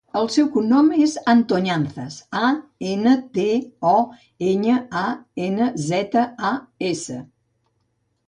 El seu cognom és Antoñanzas: a, ena, te, o, enya, a, ena, zeta, a, essa.